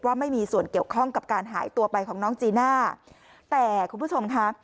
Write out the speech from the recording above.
ไม่มีส่วนเกี่ยวข้องกับการหายตัวไปของน้องจีน่าแต่คุณผู้ชมค่ะ